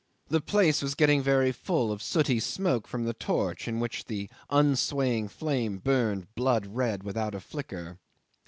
The place was getting very full of sooty smoke from the torch, in which the unswaying flame burned blood red without a flicker.